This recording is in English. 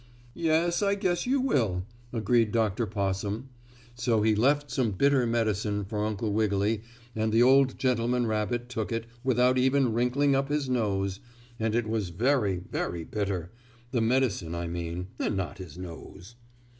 "Yes, I guess you will," agreed Dr. Possum. So he left some bitter medicine for Uncle Wiggily and the old gentleman rabbit took it without even wrinkling up his nose and it was very, very bitter the medicine I mean, and not his nose.